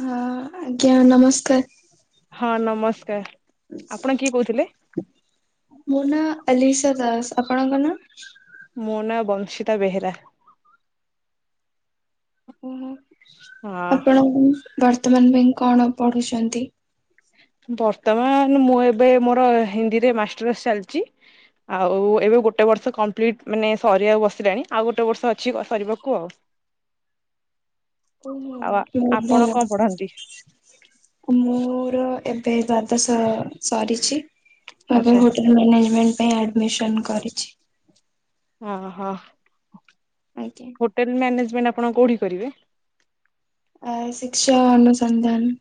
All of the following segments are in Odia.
ହଁ ଆଜ୍ଞା ନମସ୍କାର। ହଁ ନମସ୍କାର ଆପଣ କିଏ କହୁଥିଲେ? ମୋ ନାଁ ଅଲିସା ଦାସ। ଆପଣଙ୍କ ନା? ମୋ ନା ବଂଶିତା ବେହେରା। ଓହୋ ହଁ ଆପଣକୁ ବର୍ତ୍ତମାନ ପାଇଁ କଣ ପଢୁଛନ୍ତି? ବର୍ତ୍ତମାନ ମୁଁ ଏବେ ମୋର ହିନ୍ଦୀରେ ମାଷ୍ଟର୍ସ ଚାଲିଛି। ଆଉ ଏବେ ଗୋଟେ ବର୍ଷ କମ୍ପ୍ଲିଟ ମାନେ ସରିବାକୁ ବସିଲାଣି ଆଉ ଗୋଟେ ବର୍ଷ ଅଛି ସରିବାକୁ ଆଉ ହ ଆଉ ବହୁତ ଆପଣ ଭଲ କଣ ପଢନ୍ତି? ମୋର ଏବେ ଦ୍ଵାଦଶ ସରିଛି ଏବେ ଆଚ୍ଛା ହୋଟେଲ ମ୍ୟାନେଜମେଣ୍ଟ ପାଇଁ ଆଡମିସନ କରିଛି। ଓ ହ ଆଜ୍ଞା। ହୋଟେଲ ମ୍ୟାନେଜମେଣ୍ଟ ଆପଣ କୋଉଠି କରିବେ? ଆ ଶିକ୍ଷା ଅନ ଅନୁସନ୍ଧାନ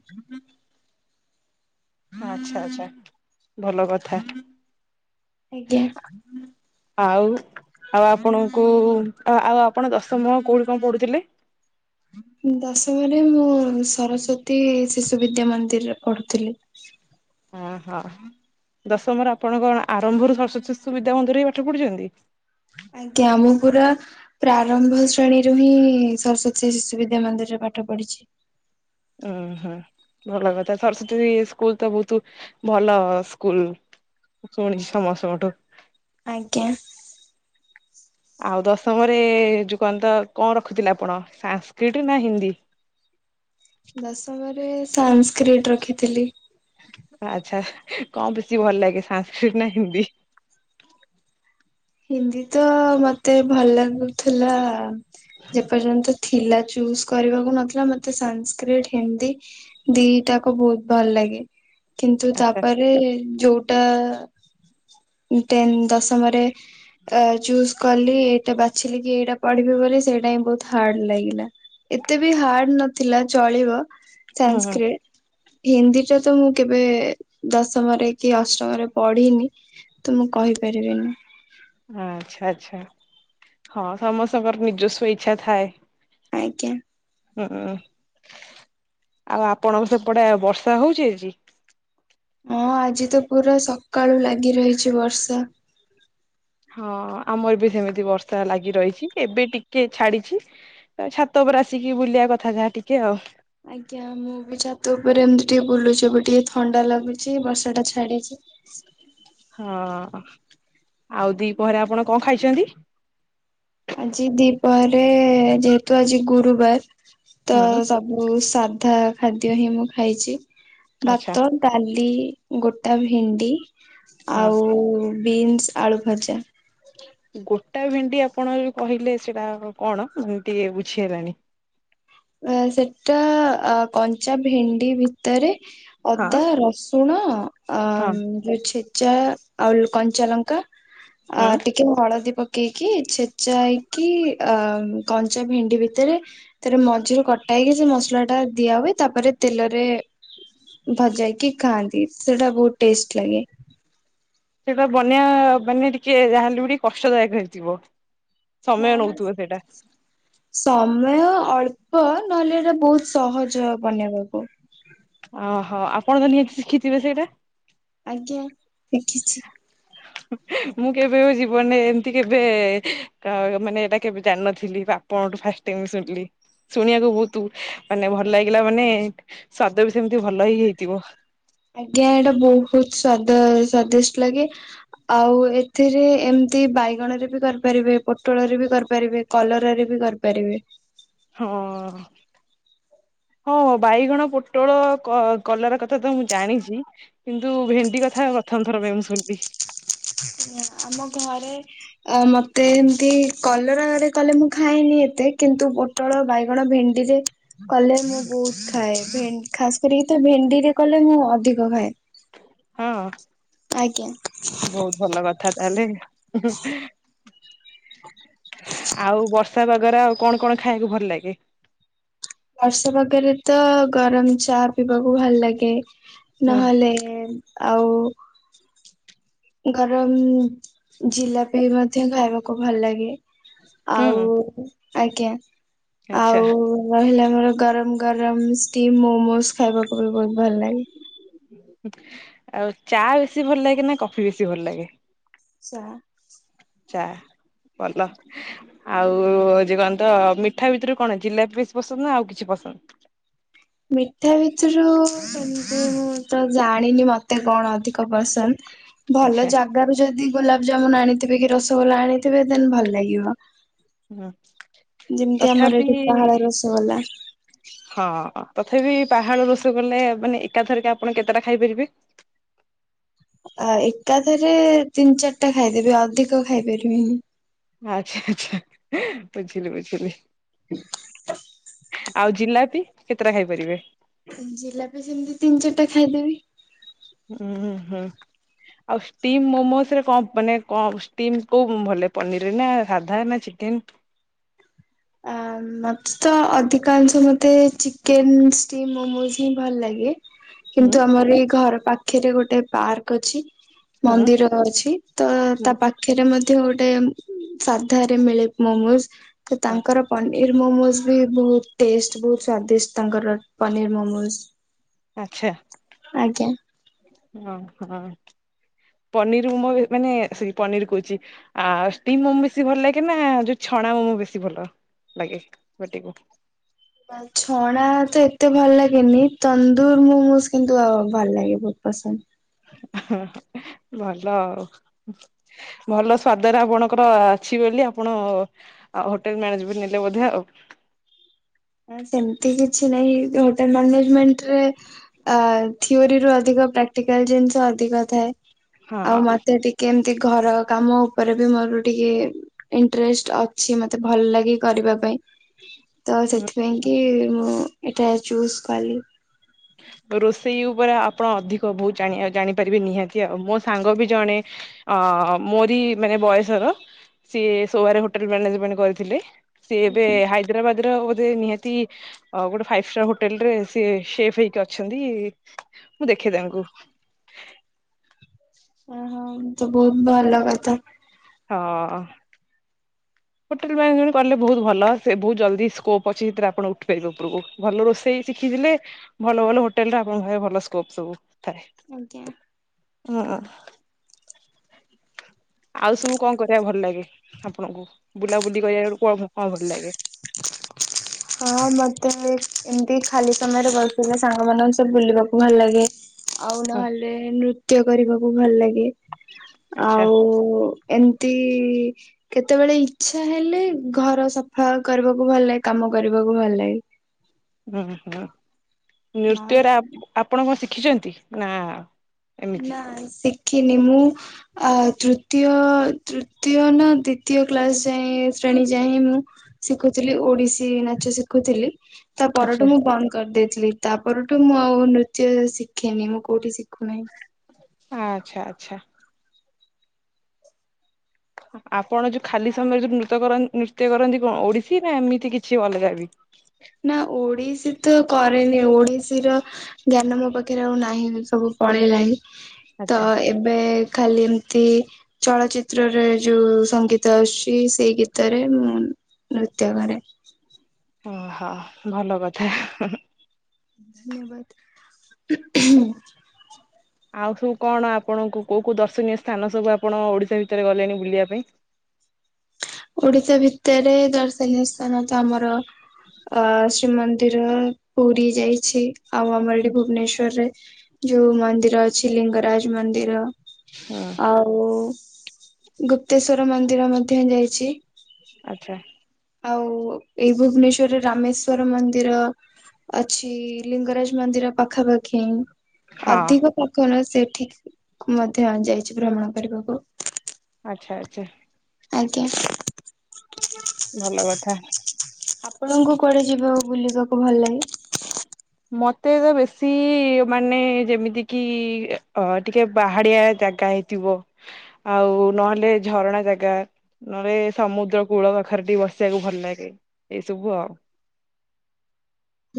ଆଚ୍ଛା ଆଛା ଭଲ କଥା। ଆଜ୍ଞା। ଆଉ ଆଉ ଆପଣଙ୍କୁ ଆଉ ଆପଣ ଦଶମ କୋଉଠି କଣ ପଢୁଥିଲେ? ଦଶମରେ ମୁଁ ସରସ୍ଵତୀ ଶିଶୁ ବିଦ୍ୟା ମନ୍ଦିରରେ ପଢୁଥିଲି। ଅ ହଁ। ଦଶମର ଆପଣ କଣ ଆରମ୍ଭରୁ ସରସ୍ଵତୀ ଶିଶୁ ବିଦ୍ୟା ମନ୍ଦିରରେ ପାଠ ପଢିଛନ୍ତି? ଆଜ୍ଞା ଆମ ପୁରା ପ୍ରାରମ୍ଭ ଶ୍ରେଣୀ ରୁ ହିଁ ସରସ୍ଵତୀ ଶିଶୁ ବିଦ୍ୟା ମନ୍ଦିରରେ ପାଠ ପଢିଛି। ଉଁ ହୁଁ ଭଲ କଥା ସରସ୍ଵତୀ ସ୍କୁଲ ତ ବହୁତ ଭଲ ସ୍କୁଲ। ଶୁଣିଛି ସମସ୍ତଙ୍କଠୁ। ଆଜ୍ଞା। ଆଉ ଦଶମରେ ଯୁ କଣ ତ କଁ ରଖୁଥିଲେ ଆପଣ ସାଂସ୍କ୍ରିଟ ନା ହିନ୍ଦୀ? ଦଶମରେ ସାଂସ୍କ୍ରିଟ ରଖିଥିଲି। ଆଚ୍ଛା କଁ ବେଶୀ ଭଲ ଲାଗେ ସାଂସ୍କ୍ରିଟ ନା ହିନ୍ଦୀ? ହିନ୍ଦୀ ତ ମତେ ଭଲ ଲାଗୁଥିଲା ଯେ ପର୍ଯ୍ୟନ୍ତ ଥିଲା ଚୁଜ୍ କରିବାକୁ ନଥିଲା ମତେ ସାଂସ୍କ୍ରିଟ୍, ହିନ୍ଦୀ ଦିଟା କ ବହୁତ ଭଲ ଲା ଗେ। କିନ୍ତୁ ଆଚ୍ଛା ତାପରେ ଯୋଉଟା ଟେନ ଦଶମରେ ଏ ଚୁଜ୍ କଲି ଏଇଟା ବାଛିଲି କି ଏଇଟା ପଢିବି ବୋଲି ସେଇଟା ହିଁ ବହୁତ ହାର୍ଡ ଲାଗିଲା। ଏତେ ବି ହାର୍ଡ ନଥିଲା ଚଳିବ। ହୁଁ ସାଂସ୍କ୍ରିଟ୍। ହିନ୍ଦୀଟା ତ ମୁଁ କେବେ ଦଶମରେ କି ଅଷ୍ଟମରେ ପଢିନି ତ ମୁଁ କହିପାରିବିନି। ଆଚ୍ଛା ଆଚ୍ଛା। ହଁ ସମସ୍ତଙ୍କର ନିଜସ୍ୱ ଇଚ୍ଛା ଥାଏ। ଆଜ୍ଞା। ହଁ, ଆଉ ଆପଣଙ୍କ ସେପଟେ ବର୍ଷା ହଉଛି ଆଜି? ହଁ ଆଜି ତ ପୁରା ସକାଳୁ ଲାଗି ରହିଛି ବର୍ଷା। ହଁ ଆମର ବି ସେମିତି ବର୍ଷା ଲାଗି ରହିଛି, ଏବେ ଟିକେ ଛାଡିଛି ତ ଛାତ ଉପରେ ଆସିକି ବୁଲିଆ କଥା ଯାହା ଟିକେ ଆଉ। ଆଜ୍ଞା। ମୁଁ ବି ଛାତ ଉପରେ ଏମତି ଟିକେ ବୁଲୁଛିି। ଏବେ ଟିକେ ଥଣ୍ଡା ଲାଗୁଚି ବର୍ଷାଟା ଛାଡିଚି। ହଁ, ଆଉ ଦିପହରେ ଆପଣ କଁ ଖାଇଛନ୍ତି? ଆଜି ଦିପହରେ ଯେହେତୁ ଆଜି ଗୁରୁବାର ତ ହୁଁ ସବୁ ସାଧା ଖାଦ୍ୟ ହିଁ ମୁଁ ଖାଇଚି। ଆଚ୍ଛା ଭାତ, ଡାଲି, ଗୋଟା ଭେଣ୍ଡି, ହଁ ଆଉ ବିନ୍ସ ଆଳୁ ଭଜା। ଗୋଟା ଭେଣ୍ଡି ଆପଣ ଯୋଉ କହିଲେ ସେଇଟା କଣ ଟିକେ ବୁଝି ହେଲାନି। ଆଁ ସେଟା କଞ୍ଚା ଭେଣ୍ଡି ଭିତରେ ହଁ ଅଦା, ରସୁଣ ଆ ହଁ ଯୋଉ ଛେ ଚା ଆଉ କଞ୍ଚାଲଙ୍କା, ଆ ହୁଁ ଟିକେ ହଳଦୀ ପ କେଇକି ଛେଚା ହେଇକି ଆ କଞ୍ଚା ଭେଣ୍ଡି ଭିତରେ ତାର ମ ଝିରୁ କଟା ହେଇକି ସେ ମସଲା ଟା ଦିଆ ହୁଏ, ତାପରେ ତେଲରେ ଭଜା ହେଇକି ଖାଆନ୍ତି, ସେଟା ବହୁତ ଟେଷ୍ଟ ଲାଗେ। ସେଇଟା ବନେଇବା ମାନେ ଟିକେ ଯାହେଲେ ବି ଟିକେ କଷ୍ଟଦାୟକ ହେଇଥିବ। ନା ସମୟ ନା ନଉଥିବ ସେଇଟା ସମୟ ଅ ଳ୍ପ। ନହେଲେ ଏଟା ବହୁତ ସହଜ ବନେଇବାକୁ। ଅହୋ ଆପଣ ତ ନିହାତି ଶିଖିଥିବେ ସେଇଟା? ଆଜ୍ଞା ଶିଖିଚି। ମୁଁ କେବେବି ଜୀବନରେ ଏମିତି କେବେ ମାନେ ଏଇଟା କେବେ ଜାଣିନଥିଲି। ଆପଙ୍କଠୁ ଫାଷ୍ଟ ଟାଇମ୍ ଶୁଣିଲି। ଶୁଣିବାକୁ ବହୁତ ମାନେ ଭଲ ଲାଗିଲା ମାନେ, ସ୍ଵାଦ ବି ସେମିତି ଭଲ ହି ହେଇଥିବ। ଆଜ୍ଞା ଏଇଟା ବହୁତ ସ୍ଵାଦ ସ୍ଵାଦିଷ୍ଟ ଲାଗେ ଆଉ ଏଥିରେ ଏମ ଏମତି ବାଇଗଣ ରେ ବି କରିପାରିବେ, ପୋଟଳରେ ବି କରିପାରିବେ, କଲରାରେ ବି କରିପାରିବେ। ହଁ। ହଁ, ବାଇଗଣ, ପୋଟଳ, କ କଲରା କଥା ତ ମୁଁ ଜାଣିଛି କିନ୍ତୁ ଭେଣ୍ଡି କଥା ପ୍ରଥମଥର ପାଇଁ ମୁଁ ଶୁଣିଲି ଆମ ଘରେ ଆ ମତେ ଏମତି କଲରାରେ କଲେ ମୁଁ ଖାଇନି ଏତେ କିନ୍ତୁ ପୋଟଳ, ବାଇଗଣ, ଭେଣ୍ଡି ରେ କଲେ ମୁଁ ବହୁତ ଖାଏ ଭେ ଖାସ କରିକି ତ ଭେଣ୍ଡିରେ କଲେ ମୁଁ ଅଧିକ ଖାଏ। ହଁ। ଆଜ୍ଞା ବହୁତ ଭଲ କଥା ତାହେଲେ। ଆଉ ବର୍ଷା ପାଗରେ ଆଉ କଣ କଣ ଖାଇବାକୁ ଭଲ ଲାଗେ? ବର୍ଷା ପାଗରେ ତ ଗରମ ଚା ପିଇବାକୁ ଭଲ ଲାଗେ। ହୁଁ ନହେଲେ ଆଉ ଗରମ ଜିଲାପି ମଧ୍ୟ ଖାଇବାକୁ ଭଲ ଲାଗେ। ଆଉ ହୁଁ ଆଜ୍ଞା ଆଚ୍ଛା ଆଉ ରହିଲା ଆମର ଗରମ ଗରମ ଷ୍ଟିମ ମୋମୋସ ଖାଇବାକୁ ବି ବହୁତ ଭଲ ଲାଗେ। ଆଉ ଚା ବେଶୀ ଭଲ ଲାଗେ ନା କଫି ବେଶୀ ଭଲ ଲାଗେ? ଚା ଚା ଭଲ ଆଉ ଯେ କଣତ ମିଠା ଭିତରୁ କଣ ଜିଲାପି ବେଶୀ ପସନ୍ଦ ନା ଆଉ କିଛି ପସନ୍ଦ? ମିଠା ଭିତରୁ ତ ଜାଣିନି ମତେ କଣ ଅଧିକ ପସନ୍ଦ ଭଲ ଆଚ୍ଛା ଜାଗାାରୁ ଯଦି ଗୋଲାପଜାମୁନ ଆଣିଥିବେ କି ରସଗୋଲା ଆଣିଥିବେ ଦେନ ଭଲ ଲାଗିବ। ହୁଁ ଯେମିତି ଆମର ତଥାପି ଏଠି ହଁ ପାହାଳ ରସଗୋଲା। ହଁ ତଥାପି ପାହାଡ ରୋଷେଇ କଲେ ମାନେ ଏକାଥରିକେ ଆପଣ କେତେଟା ଖାଇପାରିବେ? ଆ ଏକାଥରେ ତିନି ଚାରିଟା ଖାଇଦେବି ଅଧିକ ଖାଇପାରିବିନି ଆଚ୍ଛା ଆଚ୍ଛା ବୁଝିଲି ବୁଝିଲି [inaudible] ଆଉ ଜିଲାପି କେତେଟା ଖାଇ ପାରିବେ? ଜିଲାପି ସେମିତି ତିନି ଚାରିଟା ଖାଇଦେବି ହୁଁ ହୁଁ ହୁଁ। ଆଉ ଷ୍ଟିମ୍ ମୋମୋସରେ କଁ ମାନେ କଁ ଷ୍ଟିମ୍ କୋଉ ଭଲଲାଗେ ପନିରରେ ନା ସାଧା ନା ଚିକ କେନ ଆ ମତେ ତ ଅଧିକାଂଶ ମତେ ଚିକେନ ଷ୍ଟିମ୍ ମୋମୋଜ ହିଁ ଭଲ ଲାଗେ ହୁଁ କିନ୍ତୁ ଆମର ଏଇ ଘର ପାଖରେ ଗୋଟେ ପାର୍କ ଅଛି ହୁଁ ମନ୍ଦିର ଅଛି ତ ତା ହୁଁ ପାଖରେ ମଧ୍ୟ ମଧ୍ୟ ଗୋଟେ ସାଧା ରେ ମିଳେ ମମୋଜ ତ ହୁଁ। ତାଙ୍କର ପନିର ନିର ମୋମୋଜ ବି ବହୁତ ଟେଷ୍ଟ ବହୁ ସ୍ଵାଦିଷ୍ଟ ତାଙ୍କର ପନିର ମୋମୋଜ ଆଚ୍ଛା। ଆଜ୍ଞା। ଅ ହ ପନିରମୋମ ବେ ସରି ମାନେ ପନିର କହୁଚି ଆଉ ଷ୍ଟିମ ମୋମୋ ବେଶୀ ଭଲ ଲାଗେ ନା ଯଉ ଛ ଣା ମୋମ ବେଶୀ ଭଲ ଲାଗେ ପାଟିକୁ? ଛଣା ତ ଏତେ ଭଲ ଲାଗେନି ତନ୍ଦୁର ମୋମୋଜ କିନ୍ତୁ ଆଉ ମୋମ୍ ଭଲ ଲାଗେ ବହୁତ ପସନ୍ଦ। ଭଲ ଆଉ। ଭଲ ସ୍ଵାଦରେ ଆପଣଙ୍କର ଅଛି ବୋଲି ଆପଣ ହୋଟେଲ ମ୍ୟାନେଜମଣ୍ଟ ନେଲେ ବୋଧ ଆଉ। ହ [inaudible] ସେମତି କିଛି ନାହିଁ ହୋଟେଲ ମାନେଜମେଣ୍ଟରେ ଆ ଥିଓରିରୁ ଅଧିକ ପ୍ରାକ୍ଟିକାଲ ଜିନିଷ ଅଧିକ ଥାଏ ହଁ। ଆଉ ମତେ ଟିକେ ଏମ ଟି ଘର କାମ ଉପରେ ବି ମୋର ଟିକେ ଇଣ୍ଟରେଷ୍ଟ ଅଛି ମତେ ଭଲ ଲାଗେ କରିବା ପାଇଁ। ତ ହୁଁ ସେଥିପାଇଁ କି ମୁଁ ଏଇଟା ଚୁଜ କଲି। ରୋଷେଇ ଉପୁରେ ଆପଣ ଅଧିକ ବୁତ ଜଣି ଜାଣିପାରିବେ ନିହାତି ଆଉ ମୋ ସାଙ୍ଗ ବି ଜଣେ ଅ ମୋରି ମାନେ ବୟସର ସିଏ ସୋହାରେ ହୋଟେଲ ମାନେଜମେଣ୍ଟ କରିଥିଲେ। ସି ଏବେ ଆଜ୍ଞା ହାଇଦ୍ରାବାଦ ର ଗୋଧେ ନିହାତି ଗୋଟେ ଫାଇଭ ଷ୍ଟାର ହୋଟେଲରେ ସିଏ ସେ ସେଇଠି ଅଛନ୍ତି ମୁଁ ଦେଖେ ତାଙ୍କୁ। ଓହୋ ତ ବହୁତ ଭଲ କଥା। ହଁ। ହୋଟେଲ ମାନେଜମେଣ୍ଟ କଲେ ବହୁ ଭଲ ସେ ବହୁ ଜଲଦି ସ୍କୋପ ଅଛି ସେଥିରେ ଆପଣ ଉଠିପାରିବ ଉପରକୁ ଭଲ ରୋଷେଇ ଶିଖି ଖିଥିଲେ ଭଲ ଭଲ ହୋଟେଲରେ ଆପଣଙ୍କ ଭଲ ସ୍କୋପ ସବୁ ଥାଏ। ଆଜ୍ଞା। [unintelligible] ଆଉ ସବୁ କଣ କରିବା ଭଲ ଲାଗେ ଆପଣଙ୍କୁ ବୁଲାବୁଲି କରିବାକୁ କଣ କଣ ଭଲ ଲାଗେ? [unintelligible] ହଁ, ମତେ ଏ ଏମତି ଖାଲି ସମୟରେ ବସିଥିଲେ ସାଙ୍ଗ ମାନଙ୍କୁ ସବୁ ବୁଲିବାକୁ ଭଲ ଲାଗେ। ଆଉ ହଁ ନହେଲେ ନୃତ୍ୟ କରିବାକୁ ଭଲ ଲାଗେ, ଆଚ୍ଛା ଆଉ ଏମିତି କେତେବେଳେ ଇଚ୍ଛା ହେଲେ ଘର ସଫା କରିବାକୁ ଭଲ ଲାଗେ କାମ କରିବାକୁ ଭଲ ଲାଗେ। ହୁଁ ହୁଁ ନହେଲେ ନୃତ୍ୟରେ ଆପ ଆପଣ କଣ ଶିଖିଛନ୍ତି ନା? ଏମିତି ନାଇ ଶି କିି ମୁଁ ତୃତୀୟ ତୃତୀୟ ନା ଦ୍ଵିତୀୟ କ୍ଲାସ ଯାଏ ଶ୍ରେଣୀ ଯାଏ ହିଁ ମୁଁ ଶିଖୁଥିଲି ଓଡିଶୀ ନାଚ ଶିଖୁଥିଲି ତା ଆଚ୍ଛା ପରଠୁ ମୁଁ ବନ୍ଦ କରିଦେଇ ଥିଲି ତାପଠୁ ମୁଁ ଆଉ ନୃତ୍ୟ ଶିଖେନି ମୁଁ କୋଉଠି ଶିଖୁନାହିଁ? ଆଚ୍ଛା ଆଚ୍ଛା। ଆପଣ ଯୋଉ ଖାଲି ସମୟରେ ଯୋଉ ନୃତ ନୃତ୍ୟ କରନ୍ତି କଣ ଓଡିଶୀ ନା ଏମିତି କିଛି ଅଲଗା ବି? ନା ଓଡିଶୀ ତ କରେନି ଓଡିଶୀ ର ଜ୍ଞାନ ମୋ ପାଖରେ ଆଉ ନାହିଁ ସବୁ ପଳେଇଲାଣିି। ତ ଆଚ୍ଛା ଏବେ ଖାଲି ଏମିତି ଚଳଚିତ୍ରରେ ଯୋଉ ସଙ୍ଗୀତ ଆସୁଛି ସେଇ ଗୀତରେ ମୁଁ ନୃତ୍ୟ କରେ। ଓହୋ! ଭଲ କଥା ହୁଁ ହୁଁ। ଧନ୍ୟବାଦ। ଆଉ ସବୁ କଣ ଆପଣଙ୍କୁ କୋଉ କୋଉ ଦର୍ଶନୀୟ ସ୍ଥାନ ସବୁ ଆପଣ ଓଡିଶା ଭିତରେ ଗଲେଣି ବୁଲିବା ପାଇଁ? [unintelligible] ଓଡିଶା ଭିତରେ ଦର୍ଶନୀୟ ସ୍ଥାନ ତ ଆମର ଅ ଶ୍ରୀମନ୍ଦିର ପୁରୀ ଯାଇଛି। ଆଉ ଆମର ଏଠି ଭୁବନେଶ୍ଵରରେ ଯୋଉ ମନ୍ଦିର ଅଛି ଲିଙ୍ଗରାଜ ମନ୍ଦିର। ହୁଁ ଆଉ ଗୁପ୍ତେଶ୍ଵର ମନ୍ଦିର ମଧ୍ୟ ଯାଇଛି। ଆଚ୍ଛା ଆଉ ଏଇ ଭୁବନେଶ୍ଵରରେ ରାମେଶ୍ଵର ମନ୍ଦିର। ଅଛି ଲିଙ୍ଗରାଜ ମନ୍ଦିର ପାଖାପାଖି। ହଁ ଅଧିକ ପାଖ ନା ସେଠିକି ମଧ୍ୟ ଯାଇଛି ଭ୍ରମଣ କରିବାକୁ। ଆଚ୍ଛା ଆଚ୍ଛା ଆଜ୍ଞା। ଭଲ କଥା ଆପଣଙ୍କୁ କୁଆଡେ ଯିବା ବୁଲିବାକୁ ଭଲ ଲାଗେ? ମତେ ତ ବେଶୀ ମାନେ ଯେମିତି କିି ଅ ଟିକେ ବାହାଡିଆ ଜାଗା ହେଇଥିବ। ବ ଆଉ ନହେଲେ ଝରଣା ଜାଗା, ନହେଲେ ସମୁଦ୍ର କୂଳ ପାଖରେ ଟିକେ ବସ କୁ ଭଲ ଲାଗେ ଏଇ ସବୁ ଆଉ।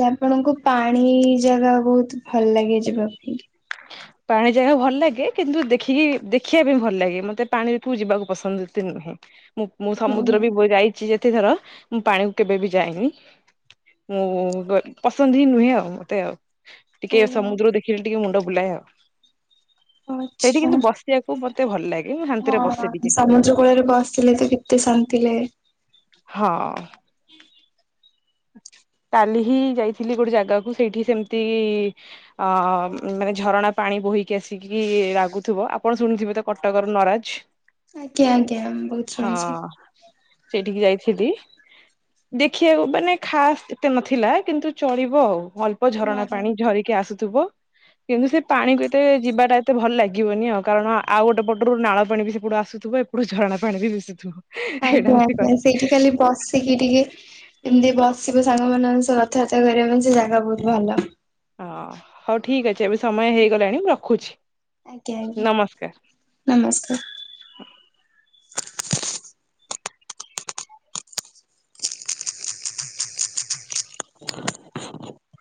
ଆପଣଙ୍କୁ ପାଣି ଜାଗା ବହୁତ ଭଲ ଲାଗେ ଯିବା ପାଇଁ। ପାଣି ଜାଗା ଭଲ ଲାଗେ କିନ୍ତୁ ଦେଖିକି ଦେଖିବା ପାଇଁ ଭଲ ଲାଗେ ମତେ ପାଣିକୁ ଯିବାକୁ ପସନ୍ଦ ଏତେ ନୁହଁ। ହୁଁ ମୁଁ ମୁଁ ହୁଁ ହୁଁ। ସମୁଦ୍ର ବି ଯାଇଛି ଯେତେଥର ମୁଁ ପାଣିକୁ କେବେ ବି ଯାଏନି। ମୁଁ ପସନ୍ଦ ହିଁ ନୁହେଁ ଆଉ ମତେ ଆଉ। ଟିକେ ସମୁଦ୍ର ଦେଖିଲେ ଟିକେ ମୁଣ୍ଡ ବୁଲାଏ ଆଉ। [unintelligible] ଆଚ୍ଛା କିନ୍ତୁ ହଁ, ବସିବାକୁ ମତେ ଭଲ ଲାଗେ ମୁଁ ଶାନ୍ତିରେ ବସେ ଟିକେ ସମୁଦ୍ର କୂଳରେ ବସିଲେ ତ କେତେ ଶାନ୍ତି ନ୍ତି ଲାଗେ। ହଁ। କାଲି ହିଁ ଯାଇଥିଲି ଗୋଟେ ଜାଗାକୁ ସେଇଠି ସେମିତି ଅ ମାନେ ଝରଣା ପାଣି ବୋହିକି ଆସିକି ଲାଗୁଥିବ। ଆପଣ ଶୁଣିଥିବେ ତ କଟକର ନରାଜ। ଆଜ୍ଞା ଆଜ୍ଞା ବହୁତ ହଁ ଶୁଣିଛି। ସେଇଠିକି ଯାଇଥିଲି। ଦେଖିବାକୁ ମାନେ ଖାସ୍ ଏତେ ନଥିଲା କିନ୍ତୁ ଚଳିବ ଆଉ ଅଳ୍ପ ଝରଣା ହଁ। ପାଣି ଝରିକି ଆସୁଥିବ। କିନ୍ତୁ ସେ ପାଣିକୁ ଏତେ ଯିବାଟା ଏତେ ଭଲ ଲାଗିବନି, ଆଉ କାରଣ ଆଉ ଗୋଟେ ପଟରୁ ନାଳ ପାଣି ବି ସେ ପୁଟୁ ଆସୁଥିବ ଏପଟୁ ଝରଣା ପାଣି ବି ଦଶୁଥିବ। ଆଜ୍ଞା ଆଜ୍ଞା ସେଇଠି ଖାଲି ବସିକି ଟିକେ ଏମିତି ବସିବ ସାଙ୍ଗମାନାନଙ୍କ ସହ କଥାବାର୍ତ୍ତା କରିବା ପାଇଁ ସେ ଜାଗା ବହୁତ ଭଲ। ହଁ ହଉ ଠିକ ଅଛି ଏବେ ସମୟ ହେଇଗଲାଣି ମୁଁ ରଖୁଛି? ଆଜ୍ଞା ଆଜ୍ଞା ନମସ୍କାର ନମସ୍କାର। [inaudible] [inaudible]